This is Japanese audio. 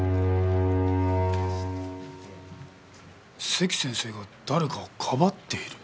関先生が誰かをかばっている。